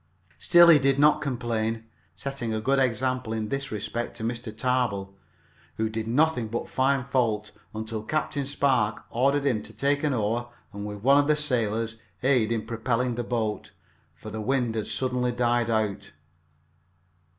Still he did not complain, setting a good example in this respect to Mr. Tarbill, who did nothing but find fault, until Captain Spark ordered him to take an oar and with one of the sailors aid in propelling the boat, for the wind had suddenly died out.